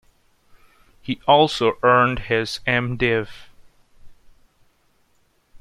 He also earned his M. Div.